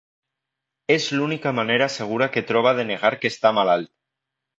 És l'única manera segura que troba de negar que està malalt.